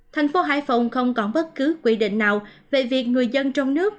tp hải phòng không còn bất cứ quy định nào về việc người dân trong nước